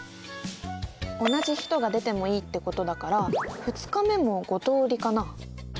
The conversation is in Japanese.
同じ人が出てもいいってことだから２日目も５通りかな。